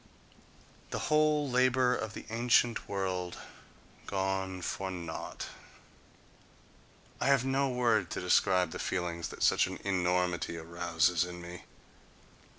The whole labour of the ancient world gone for naught: I have no word to describe the feelings that such an enormity arouses in me.